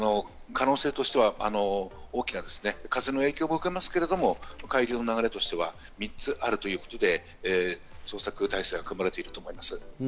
可能性としては風の影響も受けますけど、海上の流れとしては３つあるということで、捜索態勢が組まれていると思います。